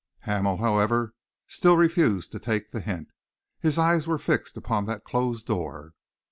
Hamel, however, still refused to take the hint. His eyes were fixed upon that closed door.